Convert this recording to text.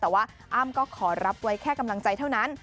แต่ว่าอ้ำก็ขอรับไว้แค่กำลังใจเท่านั้น